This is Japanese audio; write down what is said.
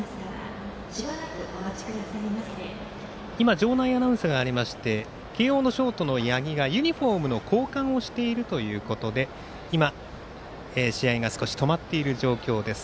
場内アナウンスがありまして慶応のショートの八木がユニフォームの交換をしているということで今、試合が少し止まっている状況です。